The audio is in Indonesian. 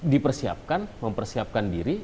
dipersiapkan mempersiapkan diri